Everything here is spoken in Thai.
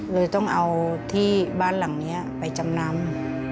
เลยต้องเอาที่บ้านหลังนี้ไปจำนำ